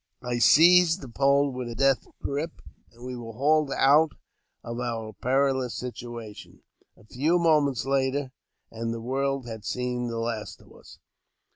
I seized the pole with a death grip, and we were hauled out of our perilous situation ; a few moments' delay, and the world had seen the last of us.